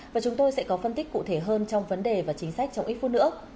và chúng tôi sẽ có phân tích cụ thể hơn trong vấn đề và chính sách trong ít phút nữa